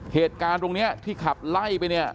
เหตุการณ์ตรงนี้ที่ขับไล่ไปเนี่ย